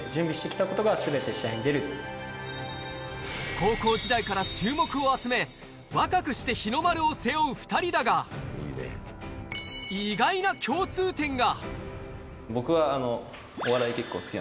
高校時代から注目を集め、若くして日の丸を背負う２人だが、意外な共通点が。